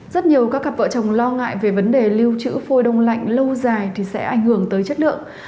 rất nhiều các cặp vợ chồng lo ngại về vấn đề lưu trữ phôi đông lạnh lâu dài thì sẽ ảnh hưởng tới chất lượng